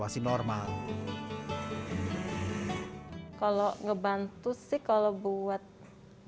apa hal mereka bisa buat kemampuan